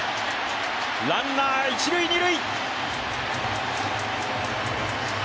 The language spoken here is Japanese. ランナー、一塁・二塁。